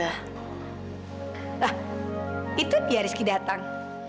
nah itu dia rizky datang